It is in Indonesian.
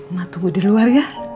mak tunggu di luar ya